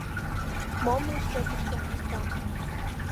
Мом мый шкет ыштен кертам?